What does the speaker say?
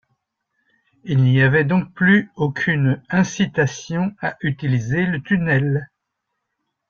Il n'y avait donc plus aucune incitation à utiliser le tunnel.